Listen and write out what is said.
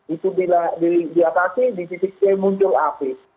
itu di atasnya di titik b muncul api